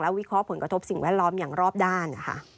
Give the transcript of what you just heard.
วิเคราะห์ผลกระทบสิ่งแวดล้อมอย่างรอบด้าน